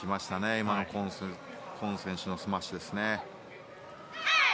今のコン選手のスマッシュ。